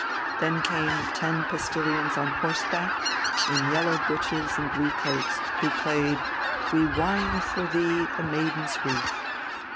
Then came ten postilions on horseback, in yellow breeches and blue coats, who played: "We wind for thee the maiden's wreath."